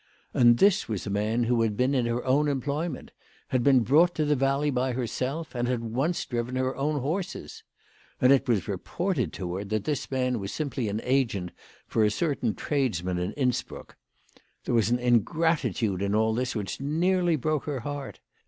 And this was a man who had been in her own employ ment, had been brought to the valley by herself, and had once driven her own horses ! And it was reported to her that this man was simply an agent for a certain tradesman in Innsbruck. There was an ingratitude in all this which nearly broke her heart.